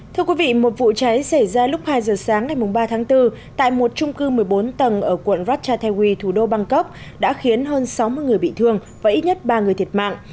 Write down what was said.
thưa quý vị một vụ cháy xảy ra lúc hai giờ sáng ngày ba tháng bốn tại một trung cư một mươi bốn tầng ở quận ratchathawi thủ đô bangkok đã khiến hơn sáu mươi người bị thương và ít nhất ba người thiệt mạng